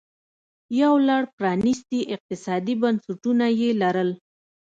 یو لړ پرانیستي اقتصادي بنسټونه یې لرل